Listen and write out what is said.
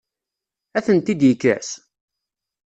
Ad tent-id-yekkes?